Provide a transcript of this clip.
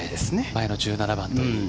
前の１７番といい。